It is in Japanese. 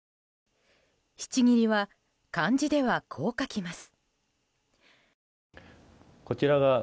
引千切は漢字ではこう書きます。